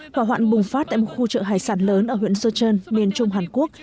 hỏa hoạn bùng phát tại một khu chợ hải sản lớn ở huyện sochon miền trung hàn quốc